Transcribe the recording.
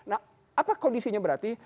apa kondisinya berarti